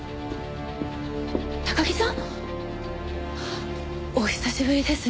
高木さん？お久しぶりです。